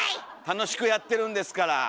楽しくやってるんですから。